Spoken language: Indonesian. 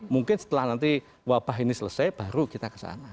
mungkin setelah nanti wabah ini selesai baru kita kesana